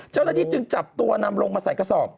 เจ้าหน้าที่จึงจับตัวนำลงมาใส่กระสอบ